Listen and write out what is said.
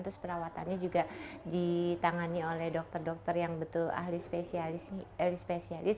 terus perawatannya juga ditangani oleh dokter dokter yang betul ahli spesialis